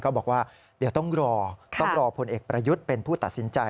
บอกว่าเดี๋ยวต้องรอต้องรอผลเอกประยุทธ์เป็นผู้ตัดสินใจ